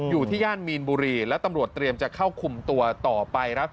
อยู่ที่ย่านมีนบุรีแล้วตำรวจเตรียมจะเข้าคุมตัวต่อไป